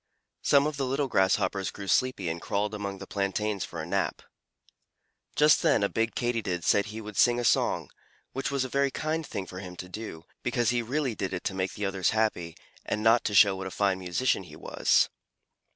Some of the little Grasshoppers grew sleepy and crawled among the plantains for a nap. Just then a big Katydid said he would sing a song which was a very kind thing for him to do, because he really did it to make the others happy, and not to show what a fine musician he was.